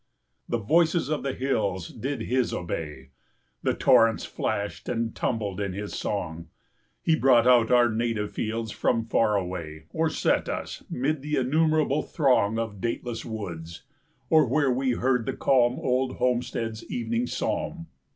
The voices of the hills did his obey; The torrents flashed and tumbled in his song; He brought our native fields from far away, 45 Or set us 'mid the innumerable throng Of dateless woods, or where we heard the calm Old homestead's evening psalm.